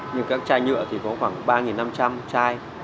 nhưng các chai nhựa thì có khoảng ba năm trăm linh chai